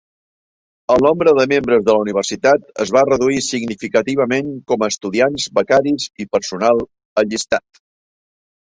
El nombre de membres de la Universitat es va reduir significativament com a estudiants, becaris i personal allistat.